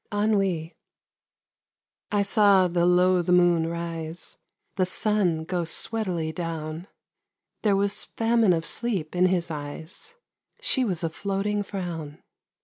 ENNUI I saw the loath moon rise, The sun go sweatily down; There was famine of sleep in his eyes; She was a floating frown.